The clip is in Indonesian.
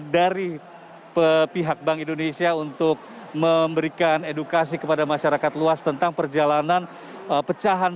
dari pihak bank indonesia untuk memberikan edukasi kepada masyarakat luas tentang perjalanan pecahan